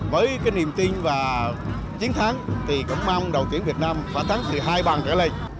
với cái niềm tin và chiến thắng thì cũng mong đội tuyển việt nam phải thắng từ hai bằng trở lên